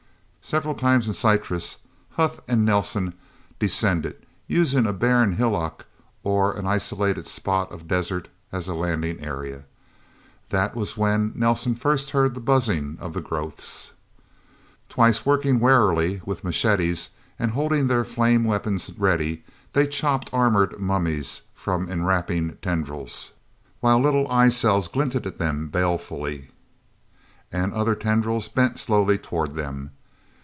Several times in Syrtis, Huth and Nelsen descended, using a barren hillock or an isolated spot of desert as a landing area. That was when Nelsen first heard the buzzing of the growths. Twice, working warily with machetes, and holding their flame weapons ready, they chopped armored mummies from enwrapping tendrils, while little eye cells glinted at them balefully, and other tendrils bent slowly toward them.